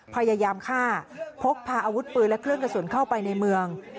พยายามฆ่าพกพาอาวุธปืนและเครื่องกระสุนเข้าไปในเมือง